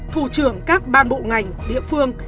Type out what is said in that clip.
thủ trưởng các ban bộ ngành địa phương